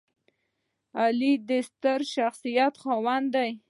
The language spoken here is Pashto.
غلی، د ستر شخصیت خاوند وي.